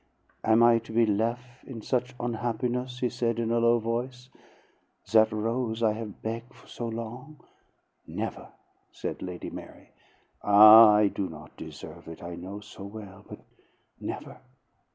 "Am I to be lef'in such onhappiness?" he said in a low voice. "That rose I have beg' for so long " "Never!" said Lady Mary. "Ah, I do not deserve it, I know so well! But " "Never!"